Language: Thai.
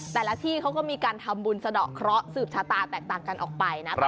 แต่ละที่เขาก็มีการทำบุญสะดอกเคราะห์สืบชะตาแตกต่างกันออกไปนะ